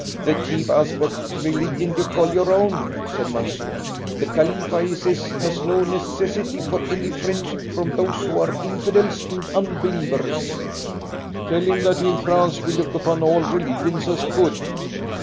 "The chief asks what religion you call your own," said Mansoor. "The Khalifa, he says, has no necessity for any friendship from those who are infidels and unbelievers." "Tell him that in France we look upon all religions as good."